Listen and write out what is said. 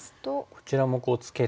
こちらもツケて。